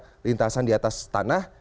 ada lintasan di atas tanah